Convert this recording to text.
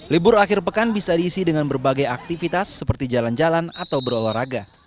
libur akhir pekan bisa diisi dengan berbagai aktivitas seperti jalan jalan atau berolahraga